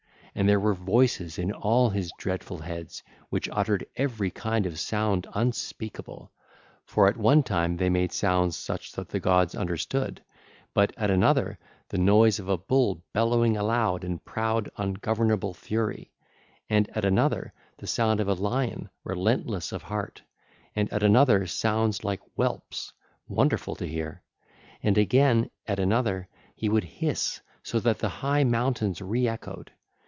And there were voices in all his dreadful heads which uttered every kind of sound unspeakable; for at one time they made sounds such that the gods understood, but at another, the noise of a bull bellowing aloud in proud ungovernable fury; and at another, the sound of a lion, relentless of heart; and at another, sounds like whelps, wonderful to hear; and again, at another, he would hiss, so that the high mountains re echoed.